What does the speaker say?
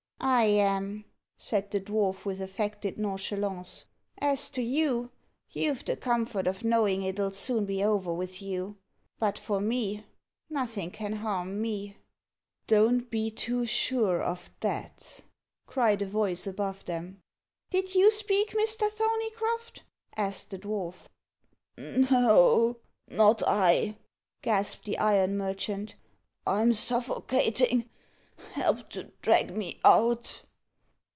"I am," said the dwarf, with affected nonchalance. "As to you, you've the comfort of knowing it'll soon be over with you. But for me, nothing can harm me." "Don't be too sure of that," cried a voice above them. "Did you speak, Mr. Thorneycroft?" asked the dwarf. "N o o not I," gasped the iron merchant. "I'm suffocating help to drag me out."